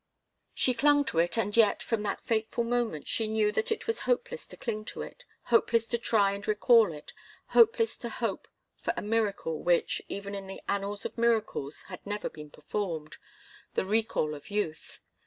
She clung to it, and yet, from that fatal moment, she knew that it was hopeless to cling to it, hopeless to try and recall it, hopeless to hope for a miracle which, even in the annals of miracles, had never been performed the recall of youth.